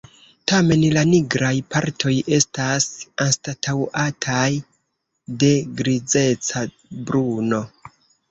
Tamen la nigraj partoj estas anstataŭataj de grizeca bruno.